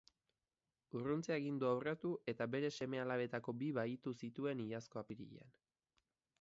Urruntze agindua urratu eta bere seme-alabetako bi bahitu zituen iazko apirilean.